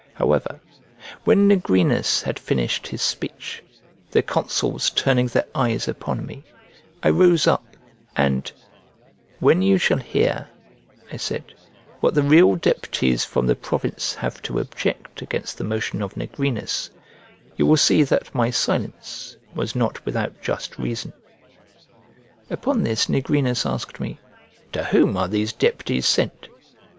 However, when Nigrinus had finished his speech, the consuls turning their eyes upon me, I rose up, and, "When you shall hear," I said, "what the real deputies from the province have to object against the motion of Nigrinus, you will see that my silence was not without just reason." Upon this Nigrinus asked me, "To whom are these deputies sent?"